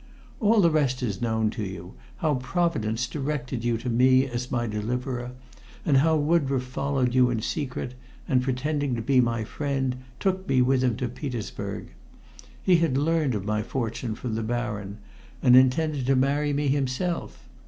"All the rest is known to you how Providence directed you to me as my deliverer, and how Woodroffe followed you in secret, and pretending to be my friend took me with him to Petersburg. He had learnt of my fortune from the Baron, and intended to marry me himself.